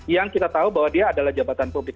yang kita tahu bahwa dia adalah jabatan publik